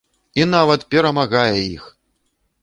І нават перамагае іх!